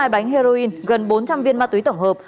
hai bánh heroin gần bốn trăm linh viên ma túy tổng hợp